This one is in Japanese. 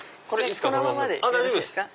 このままでよろしいですか？